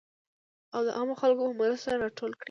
او د عامو خلکو په مرسته راټول کړي .